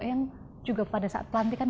yang juga pada saat pelantikan